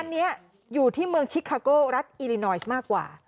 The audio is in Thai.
อันนี้อยู่ที่เมืองชิคคาโก้รัฐอิลินอยซ์มากกว่า